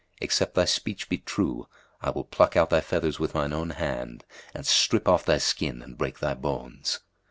except thy speech be true, I will pluck out thy feathers with mine own hand and strip off thy skin and break thy bones!"